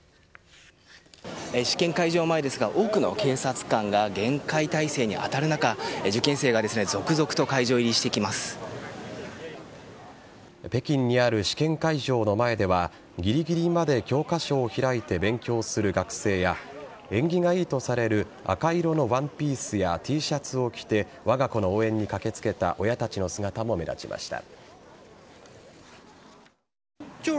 試験会場前ですが多くの警察官が厳戒態勢に当たる中受験生が北京にある試験会場の前ではぎりぎりまで教科書を開いて勉強する学生や縁起が良いとされる赤色のワンピースやＴシャツを着てわが子の応援に駆けつけた親たちの姿も目立ちました。